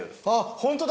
ホントだ！